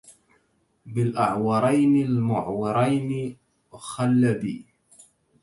بالأعورين المعورين أخل بي